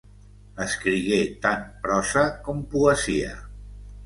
Escrigué tant prosa com poesia.